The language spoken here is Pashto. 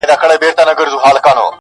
هغې نجلۍ ته مور منګی نه ورکوینه.!.!